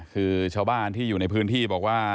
คือชาวบ้านที่อยู่ในพื้นที่บอกว่า